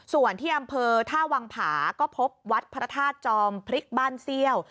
ส่วนที่อำเภอท่าวังผาก็พบวัดพระธาตุจอมพริกบ้านเซี่ยว